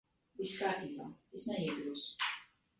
Viss kārtībā. Es neiebilstu.